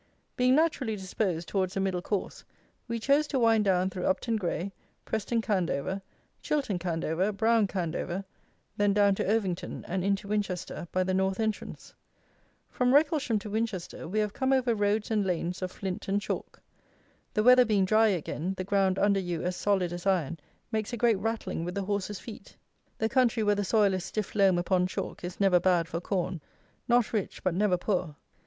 Being naturally disposed towards a middle course, we chose to wind down through Upton Gray, Preston Candover, Chilton Candover, Brown Candover, then down to Ovington, and into Winchester by the north entrance. From Wrecklesham to Winchester we have come over roads and lanes of flint and chalk. The weather being dry again, the ground under you, as solid as iron, makes a great rattling with the horses' feet. The country where the soil is stiff loam upon chalk is never bad for corn. Not rich, but never poor.